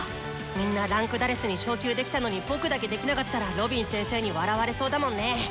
みんな位階「４」に昇級できたのに僕だけできなかったらロビン先生に笑われそうだもんね。